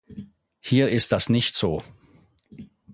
Hier ist das nicht so.